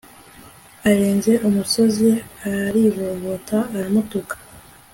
arenze umusozi arivovota aramutuka